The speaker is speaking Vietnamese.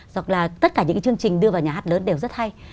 hoặc là tất cả những chương trình đưa vào nhà án lớn đều rất hay